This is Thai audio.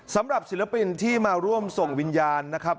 ศิลปินที่มาร่วมส่งวิญญาณนะครับ